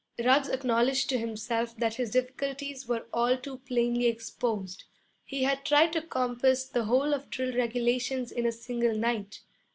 Ruggs acknowledged to himself that his difficulties were all too plainly exposed. He had tried to compass the whole of drill regulations in a single night.